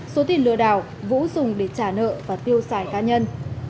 số tiền lừa đảo vũ dùng để trả nợ và tiêu xài cá nhân